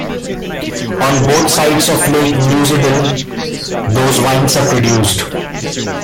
On both sides of lake Neusiedl those wines are produced.